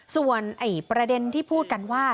ส่วนประเด็นที่พูดกันว่า